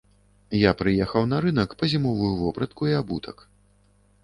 Я прыехаў на рынак па зімовую вопратку і абутак.